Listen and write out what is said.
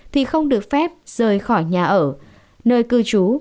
thì không được phép rời khỏi nhà ở nơi cư trú